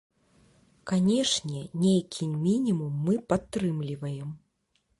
Канешне, нейкі мінімум мы падтрымліваем.